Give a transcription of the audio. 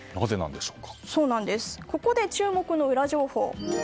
ここで注目のウラ情報。